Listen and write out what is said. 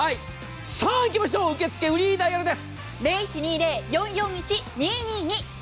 さあいきましょう、受け付けフリーダイヤルです。